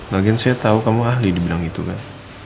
lagian saya tahu kamu ahli dibilang gitu kan